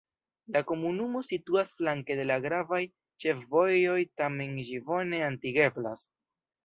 La komunumo situas flanke de la gravaj ĉefvojoj, tamen ĝi bone atingeblas.